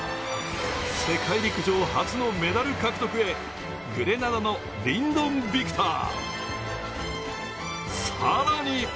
世界陸上初のメダル獲得へ、グレナダのリンドン・ビクター。